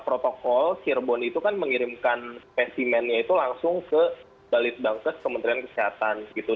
karena memang secara protokol cirebon itu kan mengirimkan spesimennya itu langsung ke dalit bankes kementerian kesehatan gitu